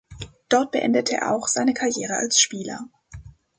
Dort beendete er auch seine Karriere als Spieler.